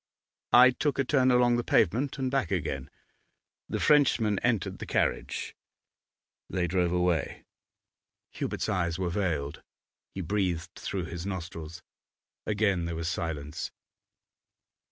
I took a turn along the pavement and back again. The Frenchman entered the carriage; they drove away.' Hubert's eyes were veiled; he breathed through his nostrils. Again there was silence.